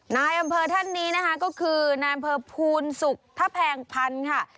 นายอำเภอท่านนี้นะคะก็คือนายอำเภอภูนสุขทะแพงพันธุ์ค่ะ